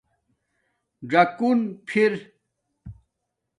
ژَکُن فَر